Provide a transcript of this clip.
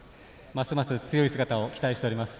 ますます強い姿を期待しております。